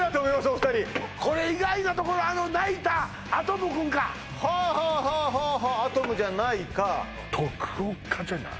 お二人これ意外なところあの泣いたアトム君かはあはあアトムじゃないか徳岡じゃない？